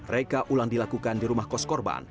reka ulang dilakukan di rumah kos korban